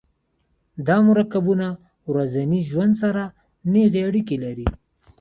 دا مرکبونه ورځني ژوند سره نیغې اړیکې لري.